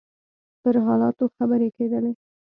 پر حالاتو خبرې کېدلې.